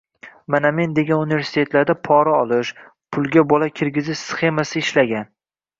Mana man degan universitetlarda pora olish, pulga bola kirgazish sxemasi ishlagan.